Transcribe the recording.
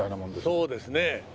そうですね。